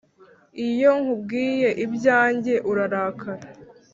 iyo nkubwiye ibyanjye urarakara